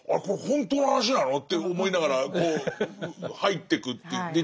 これ本当の話なの？って思いながら入ってくっていう。